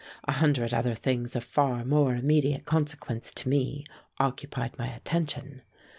A hundred other things of far more immediate consequence to me occupied my attention.